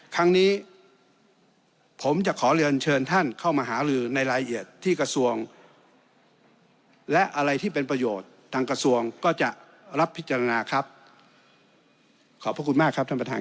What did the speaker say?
ครั้งนี้ผมจะขอเรียนเชิญท่านเข้ามาหาลือในรายละเอียดที่กระทรวงและอะไรที่เป็นประโยชน์ทางกระทรวงก็จะรับพิจารณาครับขอบพระคุณมากครับท่านประธาน